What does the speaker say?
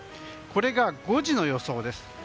これが５時の予想です。